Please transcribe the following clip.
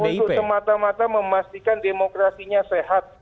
ini hadirkan usus semata mata memastikan demokrasinya sehat